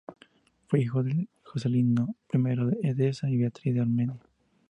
Fue hijo de Joscelino I de Edesa y Beatriz de Armenia.